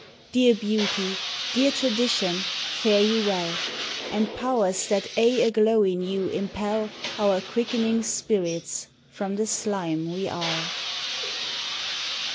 Dear Beauty, dear Tradition, fare you well: And powers that aye aglow in you, impel Our quickening spirits from the slime we are.